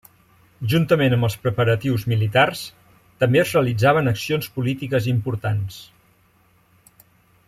Juntament amb els preparatius militars també es realitzaven accions polítiques importants.